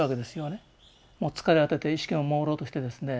もう疲れ果てて意識ももうろうとしてですね